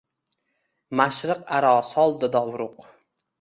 Mashriq aro soldi dovruq